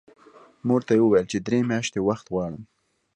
مور ته یې وویل چې درې میاشتې وخت غواړم